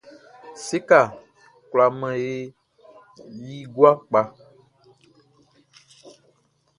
Séka kwla man e i gua kpa.